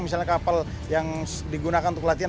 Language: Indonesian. misalnya kapal yang digunakan untuk latihan